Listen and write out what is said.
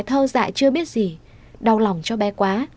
thơ dại chưa biết gì đau lòng cho bé quá